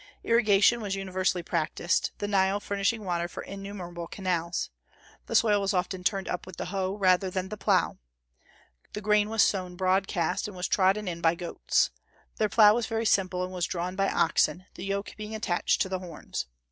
Irrigation was universally practised, the Nile furnishing water for innumerable canals. The soil was often turned up with the hoe rather than the plough. The grain was sown broadcast, and was trodden in by goats. Their plough was very simple, and was drawn by oxen; the yoke being attached to the horns.